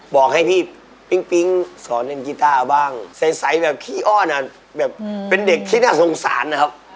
บอกให้พี่ปิ๊งปิ๊งสอนเล่นกีต้าบ้างใสแบบขี้อ้อนอ่ะแบบเป็นเด็กที่น่าสงสารนะครับ